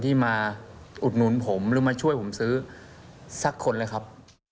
ที่มาอุดหนุนผมหรือมาช่วยผมซื้อสักคนเลยครับ